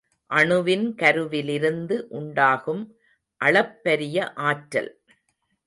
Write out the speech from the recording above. அணுவின் கருவிலிருந்து உண்டாகும் அளப்பரிய ஆற்றல்.